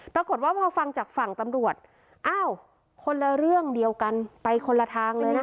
ปรากฏว่าพอฟังจากฝั่งตำรวจอ้าวคนละเรื่องเดียวกันไปคนละทางเลยนะคะ